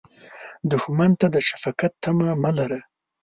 دښمن ته د شفقت تمه مه لره